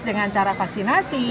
dengan cara vaksinasi